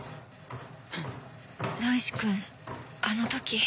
大志くんあの時。